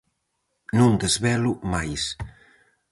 Non desvelo máis.